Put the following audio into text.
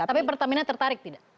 tapi pertamina tertarik tidak